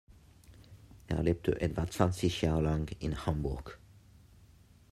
Er lebte etwa zwanzig Jahre lang in Hamburg.